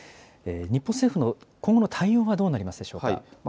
日本政府の今後の対応はどうなるでしょうか。